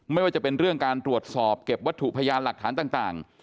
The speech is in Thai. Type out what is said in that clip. ไม่ว่าจะเป็นเรื่องการตรวจสอบเก็บวัตถุพยานหลักฐานต่าง